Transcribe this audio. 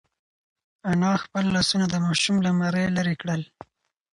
انا خپل لاسونه د ماشوم له مرۍ لرې کړل.